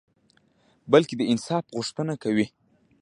بلکي د انصاف غوښته کوي